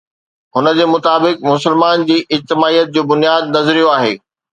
هن جي مطابق، مسلمان جي اجتماعيت جو بنياد نظريو آهي.